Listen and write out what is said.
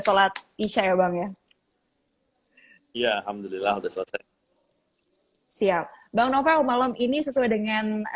sholat isya ya bang ya alhamdulillah udah selesai siap bang novel malam ini sesuai dengan